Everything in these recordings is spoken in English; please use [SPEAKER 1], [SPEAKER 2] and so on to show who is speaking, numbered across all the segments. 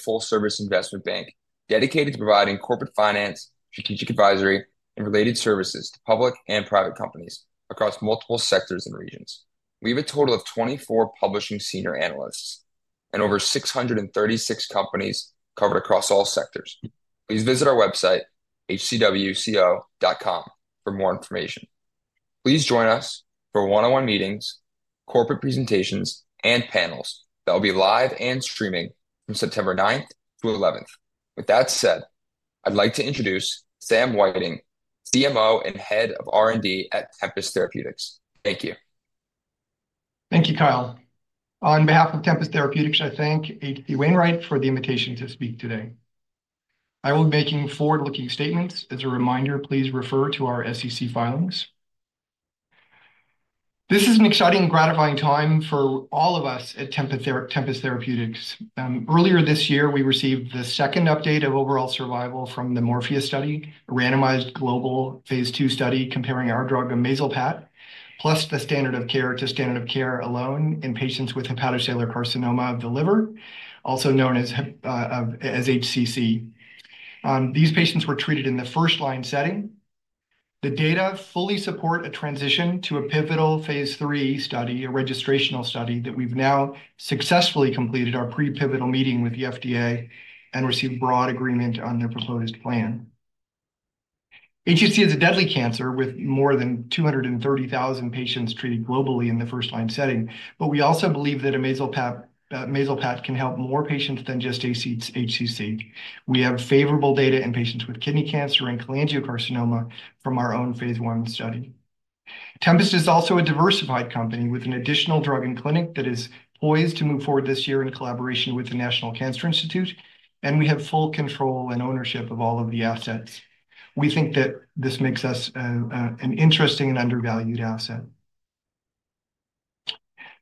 [SPEAKER 1] A full-service investment bank dedicated to providing corporate finance, strategic advisory, and related services to public and private companies across multiple sectors and regions. We have a total of 24 publishing senior analysts and over 636 companies covered across all sectors. Please visit our website, hcwco.com, for more information. Please join us for one-on-one meetings, corporate presentations, and panels that will be live and streaming from September ninth through eleventh. With that said, I'd like to introduce Sam Whiting, CMO and Head of R&D at Tempest Therapeutics. Thank you.
[SPEAKER 2] Thank you, Kyle. On behalf of Tempest Therapeutics, I thank H.C. Wainwright for the invitation to speak today. I will be making forward-looking statements. As a reminder, please refer to our SEC filings. This is an exciting and gratifying time for all of us at Tempest Therapeutics. Earlier this year, we received the second update of overall survival from the Morpheus study, a randomized global phase 2 study comparing our drug, amezalpat, plus the standard of care to standard of care alone in patients with hepatocellular carcinoma of the liver, also known as HCC. These patients were treated in the first-line setting. The data fully support a transition to a pivotal phase 3 study, a registrational study, that we've now successfully completed our pre-pivotal meeting with the FDA and received broad agreement on their proposed plan. HCC is a deadly cancer with more than two hundred and thirty thousand patients treated globally in the first-line setting, but we also believe that amezalpat can help more patients than just HCC. We have favorable data in patients with kidney cancer and cholangiocarcinoma from our own phase 1 study. Tempest is also a diversified company with an additional drug in clinic that is poised to move forward this year in collaboration with the National Cancer Institute, and we have full control and ownership of all of the assets. We think that this makes us an interesting and undervalued asset.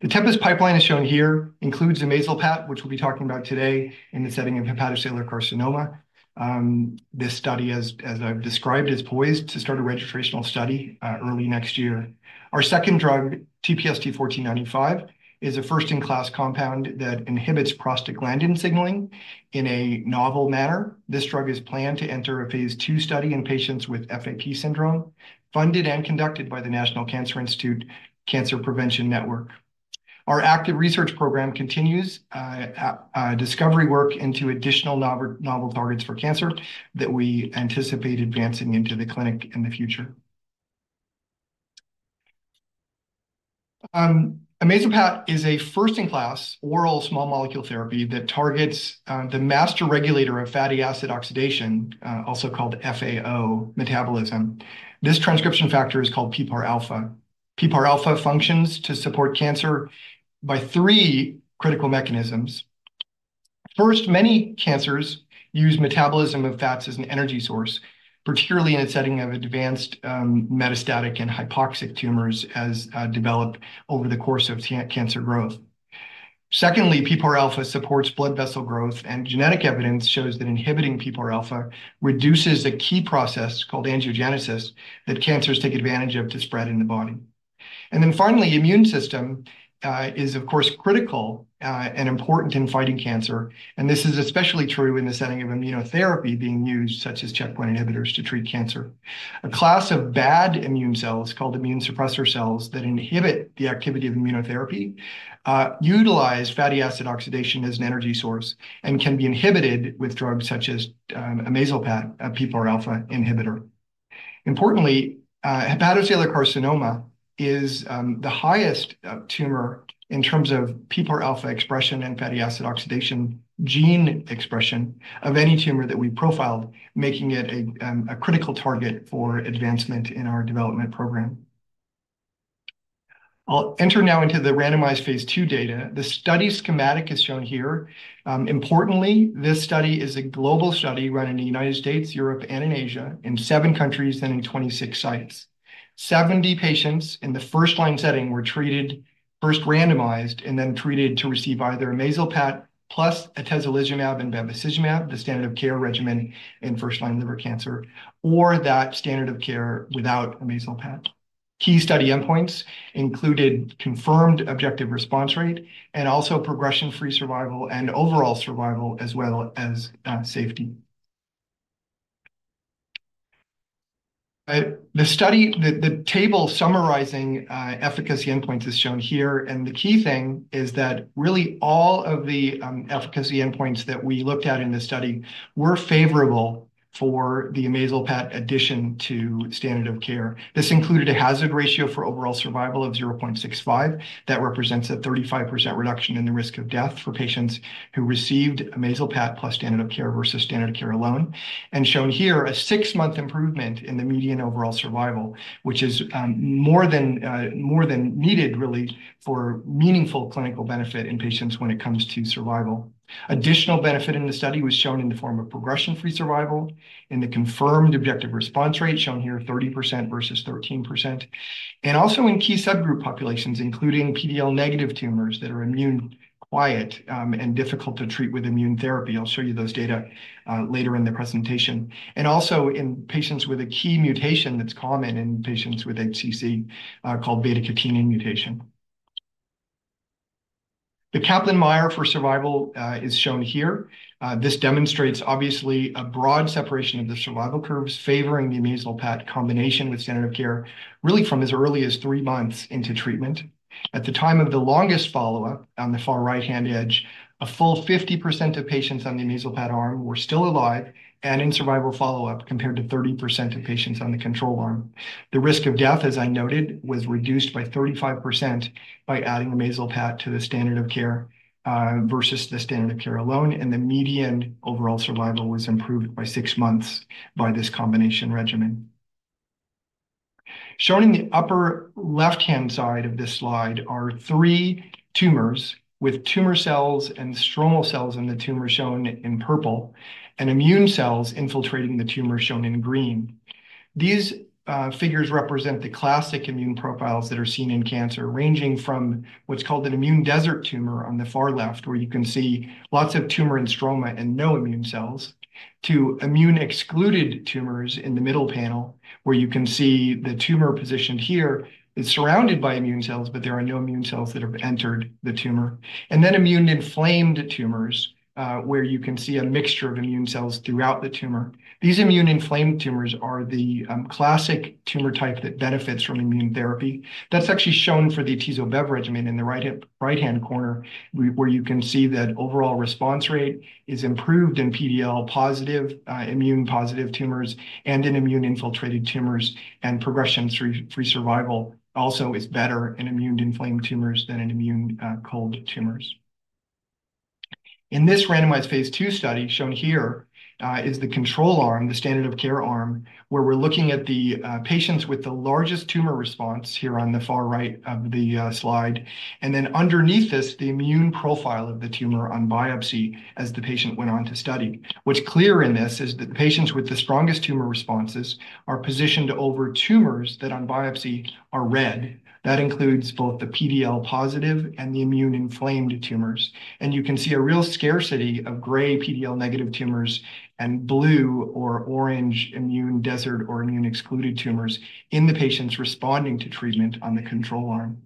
[SPEAKER 2] The Tempest pipeline, as shown here, includes amezalpat, which we'll be talking about today in the setting of hepatocellular carcinoma. This study, as I've described, is poised to start a registrational study early next year. Our second drug, TPST-1495, is a first-in-class compound that inhibits prostaglandin signaling in a novel manner. This drug is planned to enter a phase 2 study in patients with FAP syndrome, funded and conducted by the National Cancer Institute Cancer Prevention Network. Our active research program continues discovery work into additional novel targets for cancer that we anticipate advancing into the clinic in the future. Amezalpat is a first-in-class oral small molecule therapy that targets the master regulator of fatty acid oxidation, also called FAO metabolism. This transcription factor is called PPAR-alpha. PPAR-alpha functions to support cancer by three critical mechanisms. First, many cancers use metabolism of fats as an energy source, particularly in a setting of advanced, metastatic and hypoxic tumors as developed over the course of cancer growth. Secondly, PPAR-alpha supports blood vessel growth, and genetic evidence shows that inhibiting PPAR-alpha reduces a key process called angiogenesis that cancers take advantage of to spread in the body. And then finally, the immune system is, of course, critical and important in fighting cancer, and this is especially true in the setting of immunotherapy being used, such as checkpoint inhibitors, to treat cancer. A class of bad immune cells called immune suppressor cells that inhibit the activity of immunotherapy utilize fatty acid oxidation as an energy source and can be inhibited with drugs such as amezalpat, a PPAR-alpha inhibitor. Importantly, hepatocellular carcinoma is the highest tumor in terms of PPAR-alpha expression and fatty acid oxidation gene expression of any tumor that we profiled, making it a critical target for advancement in our development program. I'll enter now into the randomized phase 2 data. The study schematic is shown here. Importantly, this study is a global study run in the United States, Europe, and in Asia, in seven countries and in 26 sites. 70 patients in the first-line setting were first randomized, and then treated to receive either amezalpat, plus atezolizumab and bevacizumab, the standard of care regimen in first-line liver cancer, or that standard of care without amezalpat. Key study endpoints included confirmed objective response rate and also progression-free survival and overall survival, as well as safety. The study table summarizing efficacy endpoints is shown here, and the key thing is that really all of the efficacy endpoints that we looked at in this study were favorable for the amezalpat addition to standard of care. This included a hazard ratio for overall survival of 0.65. That represents a 35% reduction in the risk of death for patients who received amezalpat plus standard of care versus standard of care alone. Shown here, a six-month improvement in the median overall survival, which is more than needed, really, for meaningful clinical benefit in patients when it comes to survival. Additional benefit in the study was shown in the form of progression-free survival and the confirmed objective response rate, shown here, 30% versus 13%. Also in key subgroup populations, including PD-L negative tumors that are immune quiet and difficult to treat with immune therapy. I'll show you those data later in the presentation. Also in patients with a key mutation that's common in patients with HCC, called beta-catenin mutation. The Kaplan-Meier for survival is shown here. This demonstrates obviously a broad separation of the survival curves, favoring the amezalpat combination with standard of care, really from as early as three months into treatment. At the time of the longest follow-up on the far right-hand edge, a full 50% of patients on the amezalpat arm were still alive and in survival follow-up, compared to 30% of patients on the control arm. The risk of death, as I noted, was reduced by 35% by adding amezalpat to the standard of care versus the standard of care alone, and the median overall survival was improved by six months by this combination regimen. Showing the upper left-hand side of this slide are three tumors, with tumor cells and stromal cells in the tumor shown in purple and immune cells infiltrating the tumor shown in green. These figures represent the classic immune profiles that are seen in cancer, ranging from what's called an immune desert tumor on the far left, where you can see lots of tumor and stroma and no immune cells, to immune-excluded tumors in the middle panel, where you can see the tumor positioned here is surrounded by immune cells, but there are no immune cells that have entered the tumor. And then immune-inflamed tumors, where you can see a mixture of immune cells throughout the tumor. These immune-inflamed tumors are the classic tumor type that benefits from immune therapy. That's actually shown for the atezolizumab regimen in the right-hand corner, where you can see that overall response rate is improved in PD-L1 positive, immune-positive tumors and in immune-infiltrated tumors, and progression-free survival also is better in immune-inflamed tumors than in immune cold tumors. In this randomized phase II study shown here is the control arm, the standard of care arm, where we're looking at the patients with the largest tumor response here on the far right of the slide. Then underneath this, the immune profile of the tumor on biopsy as the patient went on to study. What's clear in this is that the patients with the strongest tumor responses are positioned over tumors that on biopsy are red. That includes both the PD-L1 positive and the immune-inflamed tumors. You can see a real scarcity of gray PD-L1-negative tumors and blue or orange immune desert or immune-excluded tumors in the patients responding to treatment on the control arm.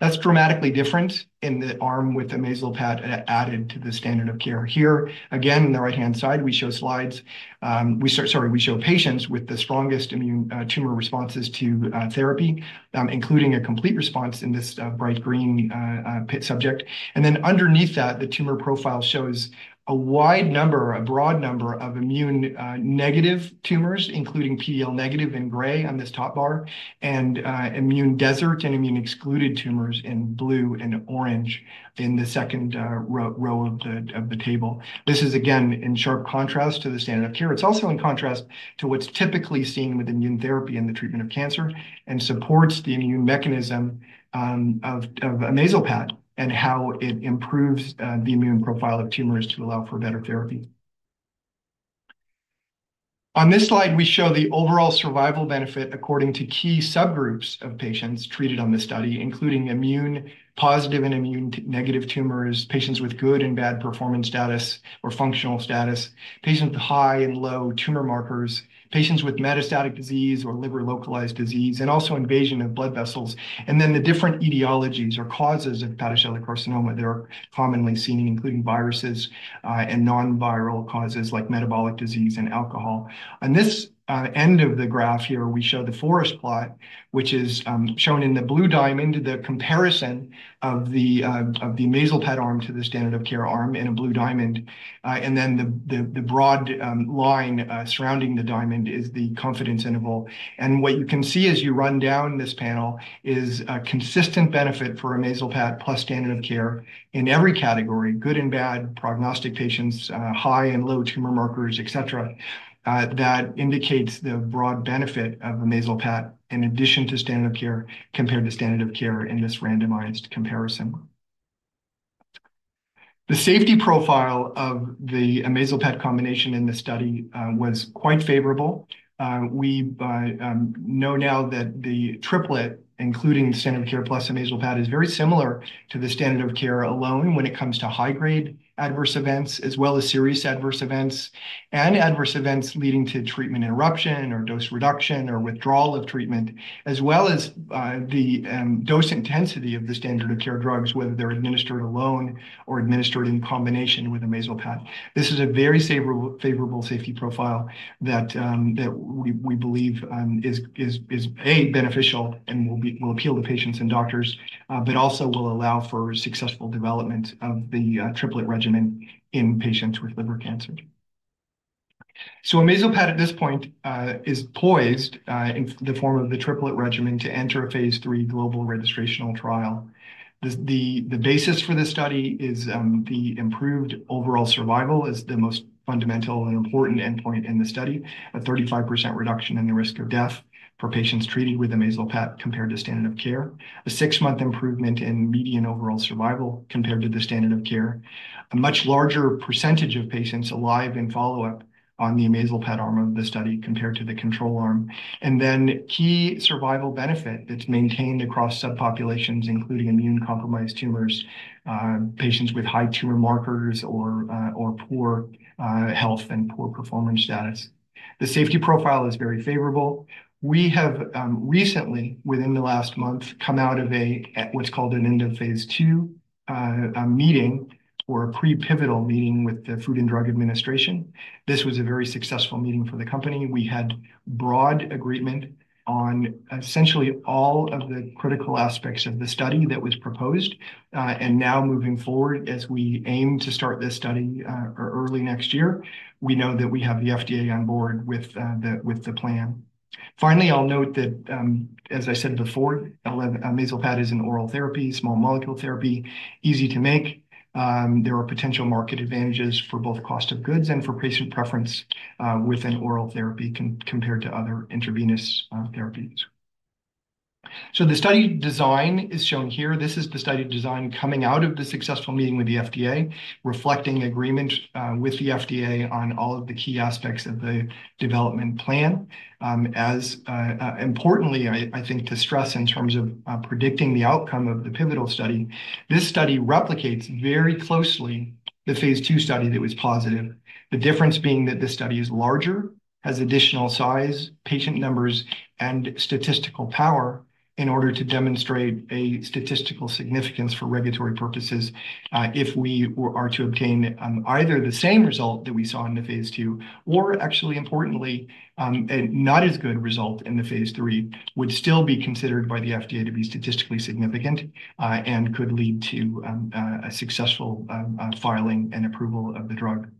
[SPEAKER 2] That's dramatically different in the arm with amezalpat added to the standard of care. Here, again, on the right-hand side, we show patients with the strongest immune tumor responses to therapy, including a complete response in this bright green patient. And then underneath that, the tumor profile shows a wide number, a broad number of immune negative tumors, including PD-L1 negative in gray on this top bar, and immune desert and immune-excluded tumors in blue and orange in the second row of the table. This is, again, in sharp contrast to the standard of care. It's also in contrast to what's typically seen with immune therapy in the treatment of cancer and supports the immune mechanism of amezalpat and how it improves the immune profile of tumors to allow for better therapy. On this slide, we show the overall survival benefit according to key subgroups of patients treated on this study, including immune-positive and immune-negative tumors, patients with good and bad performance status or functional status, patients with high and low tumor markers, patients with metastatic disease or liver-localized disease, and also invasion of blood vessels, and then the different etiologies or causes of hepatocellular carcinoma that are commonly seen, including viruses and non-viral causes like metabolic disease and alcohol. On this end of the graph here, we show the forest plot, which is shown in the blue diamond, the comparison of the amezalpat arm to the standard of care arm in a blue diamond, and then the broad line surrounding the diamond is the confidence interval, and what you can see as you run down this panel is a consistent benefit for amezalpat plus standard of care in every category, good and bad prognostic patients, high and low tumor markers, et cetera, that indicates the broad benefit of amezalpat in addition to standard of care, compared to standard of care in this randomized comparison. The safety profile of the amezalpat combination in the study was quite favorable. We now know that the triplet, including the standard of care plus amezalpat, is very similar to the standard of care alone when it comes to high-grade adverse events, as well as serious adverse events, and adverse events leading to treatment interruption or dose reduction or withdrawal of treatment, as well as the dose intensity of the standard of care drugs, whether they're administered alone or administered in combination with amezalpat. This is a very favorable safety profile that we believe is a beneficial and will appeal to patients and doctors, but also will allow for successful development of the triplet regimen in patients with liver cancer. So amezalpat at this point is poised in the form of the triplet regimen to enter a phase III global registrational trial. The basis for this study is the improved overall survival is the most fundamental and important endpoint in the study, a 35% reduction in the risk of death for patients treated with amezalpat compared to standard of care. A six-month improvement in median overall survival compared to the standard of care. A much larger percentage of patients alive in follow-up on the amezalpat arm of the study compared to the control arm. And then key survival benefit that's maintained across subpopulations, including immune-compromised tumors, patients with high tumor markers or poor health and poor performance status. The safety profile is very favorable. We have recently, within the last month, come out of a what's called an end of phase II meeting or a pre-pivotal meeting with the Food and Drug Administration. This was a very successful meeting for the company. We had broad agreement on essentially all of the critical aspects of the study that was proposed. And now moving forward, as we aim to start this study early next year, we know that we have the FDA on board with the plan. Finally, I'll note that, as I said before, amezalpat is an oral therapy, small molecule therapy, easy to make. There are potential market advantages for both cost of goods and for patient preference with an oral therapy compared to other intravenous therapies. So the study design is shown here. This is the study design coming out of the successful meeting with the FDA, reflecting agreement with the FDA on all of the key aspects of the development plan. As importantly, I think, to stress in terms of predicting the outcome of the pivotal study, this study replicates very closely the phase 2 study that was positive. The difference being that this study is larger, has additional size, patient numbers, and statistical power in order to demonstrate a statistical significance for regulatory purposes. If we are to obtain either the same result that we saw in the phase 2, or actually importantly, a not as good result in the phase 3, would still be considered by the FDA to be statistically significant, and could lead to a successful filing and approval of the drug.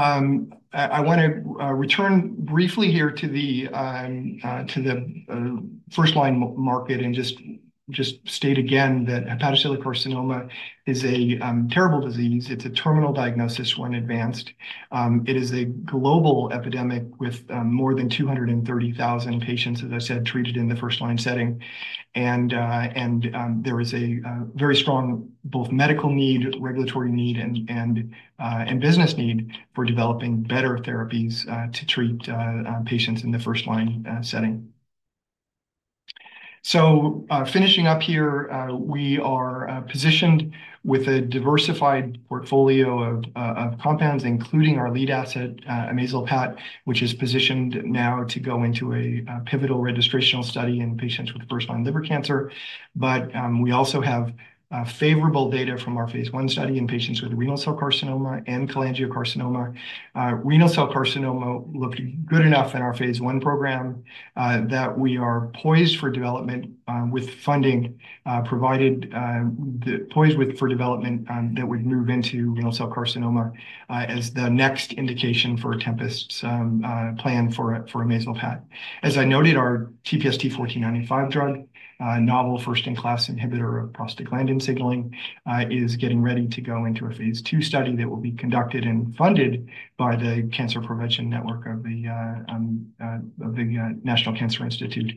[SPEAKER 2] I wanna return briefly here to the first-line market and just state again that hepatocellular carcinoma is a terrible disease. It's a terminal diagnosis when advanced. It is a global epidemic with more than two hundred and thirty thousand patients, as I said, treated in the first-line setting. And there is a very strong both medical need, regulatory need, and business need for developing better therapies to treat patients in the first-line setting. So, finishing up here, we are positioned with a diversified portfolio of compounds, including our lead asset, amezalpat, which is positioned now to go into a pivotal registrational study in patients with first-line liver cancer. But we also have favorable data from our phase 1 study in patients with renal cell carcinoma and cholangiocarcinoma. Renal cell carcinoma looked good enough in our phase 1 program that we are poised for development with funding provided that would move into renal cell carcinoma as the next indication for Tempest's plan for amezalpat. As I noted, our TPST-1495 drug, a novel first-in-class inhibitor of prostaglandin signaling, is getting ready to go into a phase 2 study that will be conducted and funded by the Cancer Prevention Network of the National Cancer Institute.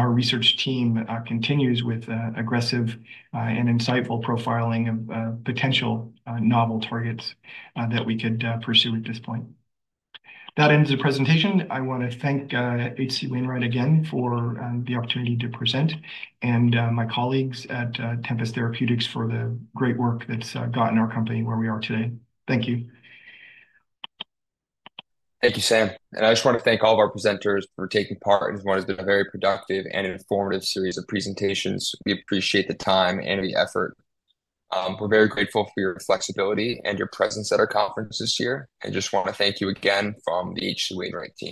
[SPEAKER 2] Our research team continues with aggressive and insightful profiling of potential novel targets that we could pursue at this point. That ends the presentation. I wanna thank H.C. Wainwright again for the opportunity to present, and my colleagues at Tempest Therapeutics for the great work that's gotten our company where we are today. Thank you.
[SPEAKER 1] Thank you, Sam. And I just wanna thank all of our presenters for taking part in what has been a very productive and informative series of presentations. We appreciate the time and the effort. We're very grateful for your flexibility and your presence at our conference this year, and just wanna thank you again from the H.C. Wainwright team.